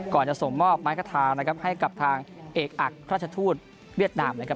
จะส่งมอบไม้กระทาวนะครับให้กับทางเอกอักราชทูตเวียดนามนะครับ